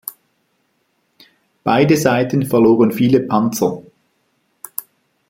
Beide Seiten verloren viele Panzer.